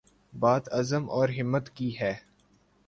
بات عزم اور ہمت کی ہے۔